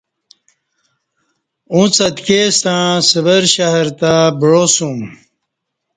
اُݩڅ اتکی ستݩع سورہ شہر تہ بعا سُوم